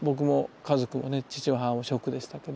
父も母もショックでしたけど。